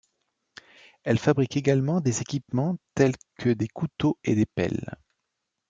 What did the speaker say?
Elle fabrique également des équipements tels que des couteaux et des pelles.